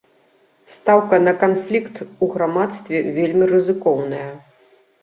Стаўка на канфлікт у грамадстве вельмі рызыкоўная.